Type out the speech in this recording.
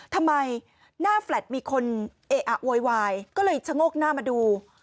ทำไมหน้าแฟลตมีคนเออะโวยวายก็เลยชะโงกหน้ามาดู